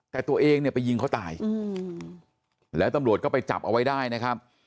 แต่ตัวเองเนี่ยไปยิงเขาตายแล้วตำรวจก็ไปจับเอาไว้ได้นะครับ